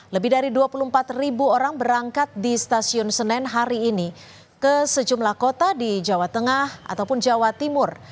lebih dari dua puluh empat ribu orang berangkat di stasiun senen hari ini ke sejumlah kota di jawa tengah ataupun jawa timur